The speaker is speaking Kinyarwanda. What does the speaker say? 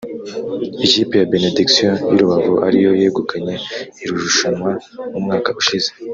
ikipe ya Benediction y’i Rubavu ariyo yegukanye iri rushanwa umwaka ushize